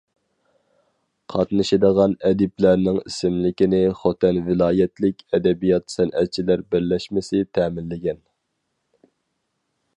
قاتنىشىدىغان ئەدىبلەرنىڭ ئىسىملىكىنى خوتەن ۋىلايەتلىك ئەدەبىيات-سەنئەتچىلەر بىرلەشمىسى تەمىنلىگەن.